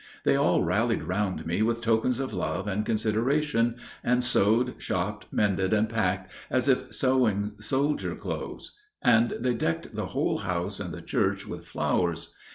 They all rallied round me with tokens of love and consideration, and sewed, shopped, mended, and packed, as if sewing soldier clothes. And they decked the whole house and the church with flowers.